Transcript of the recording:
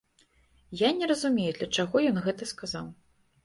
Я не разумею для чаго ён гэта сказаў.